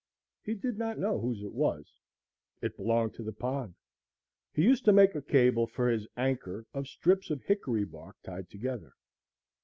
He did not know whose it was; it belonged to the pond. He used to make a cable for his anchor of strips of hickory bark tied together.